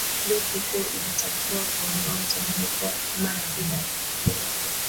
benki kuu inatakiwa kuondoa mchanganyiko wa akiba ya fedha za kigeni